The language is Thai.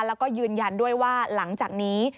แล้วก็ยืนยันด้วยว่าหลังจากนี้